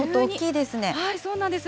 そうなんです。